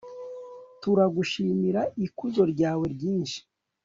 turagushimira ikuzo ryawe ryinshi